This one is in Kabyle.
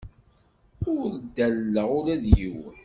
Ur ddaleɣ ula d yiwen.